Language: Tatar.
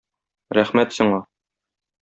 Рәхмәт сиңа!